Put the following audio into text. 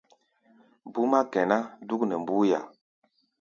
Búmá kɛná dúk nɛ mbúía.